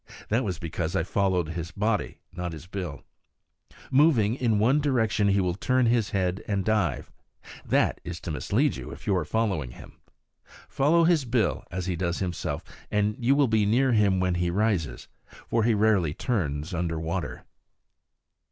That was because I followed his body, not his bill. Moving in one direction, he will turn his head and dive. That is to mislead you, if you are following him. Follow his bill, as he does himself, and you will be near him when he rises; for he rarely turns under water.